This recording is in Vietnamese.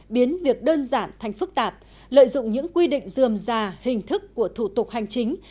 biến việc đơn giản thành phức tạp lợi dụng những quy định dườm già hình thức của thủ tục hành chính